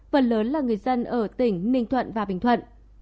phần lớn là người dân ở tỉnh ninh thuận và bình thuận